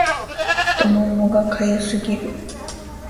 太ももが痒すぎる